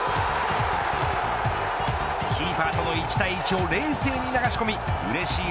キーパーとの一対一を冷静に流し込み嬉しい